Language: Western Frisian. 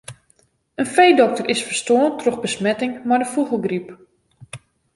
In feedokter is ferstoarn troch besmetting mei de fûgelgryp.